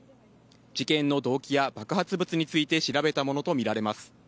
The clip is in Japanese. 事件の動機や爆発物について調べたものとみられます。